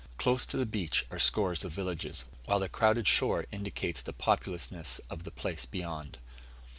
Close to the beach are scores of villages, while the crowded shore indicates the populousness of the place beyond.